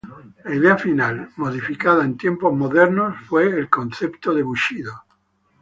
La idea final que fue modificada en tiempos modernos fue el concepto de Bushido.